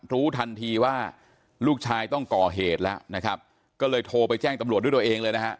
รู้ทันทีว่าลูกชายต้องก่อเหตุแล้วนะครับก็เลยโทรไปแจ้งตำรวจด้วยตัวเองเลยนะฮะ